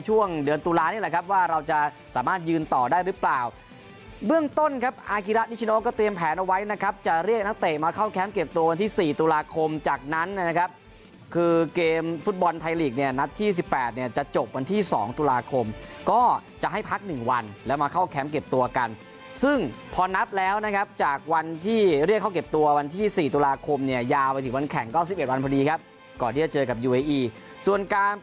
ห่อได้หรือเปล่าเบื้องต้นครับอาคิระนิชโนก็เตรียมแผนเอาไว้นะครับจะเรียกนักเตะมาเข้าแคมป์เก็บตัวที่๔ตุลาคมจากนั้นนะครับคือเกมฟุตบอลไทยหลีกเนี่ยนัดที่๑๘เนี่ยจะจบวันที่๒ตุลาคมก็จะให้พัก๑วันแล้วมาเข้าแคมป์เก็บตัวกันซึ่งพอนับแล้วนะครับจากวันที่เรียกเข้าเก็บตั